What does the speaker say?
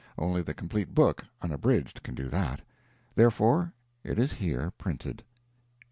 Only the complete book, unabridged, can do that. Therefore it is here printed.